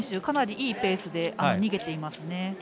かなりいいペースで逃げていますね。